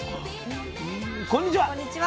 こんにちは。